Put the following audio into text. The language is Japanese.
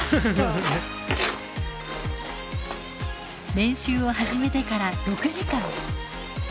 練習を始めてから６時間。